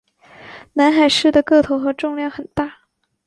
南海狮的个头和重量很大。